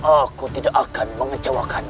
aku tidak akan mengecewakan